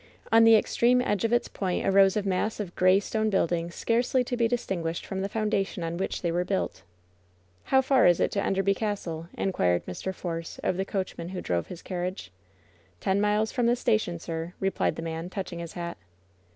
On the extreme edge of its point arose a mass of gray stone buildings scarcely to be distinguished from the foundation on which they were built. "How far is it to Enderby Castle?" inquired Mr. Force of the coachman who drove his carriage. "Ten miles from the station, sir," replied the man, touching his hat.